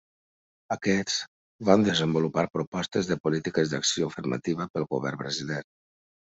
Aquests, van desenvolupar propostes de polítiques d'acció afirmativa pel govern brasiler.